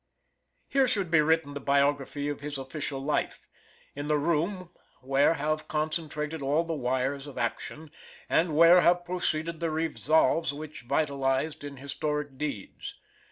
Here should be written the biography of his official life in the room where have concentrated all the wires of action, and where have proceeded the resolves which vitalized in historic deeds.